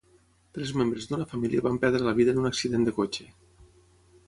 Tres membres d'una família van perdre la vida en un accident de cotxe.